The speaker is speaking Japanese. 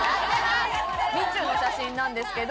・みちゅの写真なんですけど。